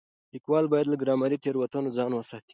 ليکوال بايد له ګرامري تېروتنو ځان وساتي.